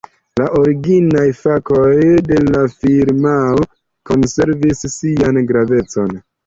La originaj fakoj de la firmao konservis sian gravecon.